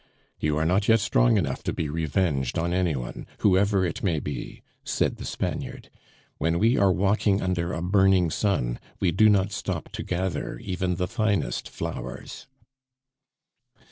"You are not yet strong enough to be revenged on any one, whoever it may be," said the Spaniard. "When we are walking under a burning sun we do not stop to gather even the finest flowers."